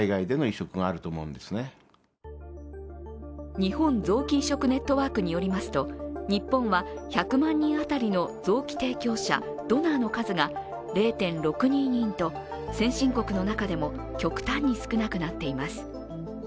日本臓器移植ネットワークによりますと、日本は１００万人当たりの臓器提供者＝ドナーの数が０．６２人と、先進国の中でも極端に少なくなっています。